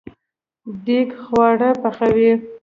دیګ خواړه پخوي